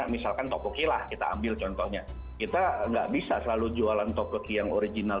misalkan topoki lah kita ambil contohnya kita nggak bisa selalu jualan topoki yang original